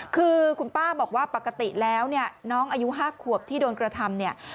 คือคุณป้าบอกว่าปกติแล้วน้องอายุ๕ขวบที่โดนกระทำ